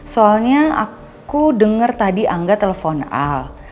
soalnya aku dengar tadi angga telepon al